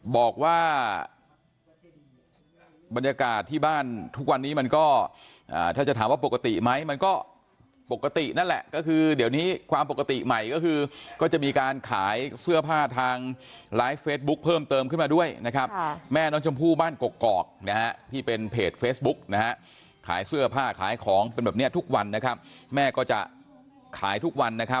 บอกว่าบรรยากาศที่บ้านทุกวันนี้มันก็ถ้าจะถามว่าปกติไหมมันก็ปกตินั่นแหละก็คือเดี๋ยวนี้ความปกติใหม่ก็คือก็จะมีการขายเสื้อผ้าทางไลฟ์เฟซบุ๊คเพิ่มเติมขึ้นมาด้วยนะครับแม่น้องชมพู่บ้านกกอกนะฮะที่เป็นเพจเฟซบุ๊กนะฮะขายเสื้อผ้าขายของเป็นแบบนี้ทุกวันนะครับแม่ก็จะขายทุกวันนะครับ